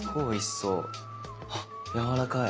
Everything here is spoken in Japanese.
あっやわらかい。